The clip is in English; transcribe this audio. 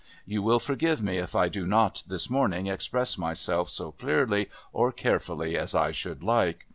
You will forgive me if I do not, this morning, express myself so clearly or carefully as I should like.